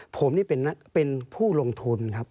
ผมนี่เป็นผู้ลงทุนครับ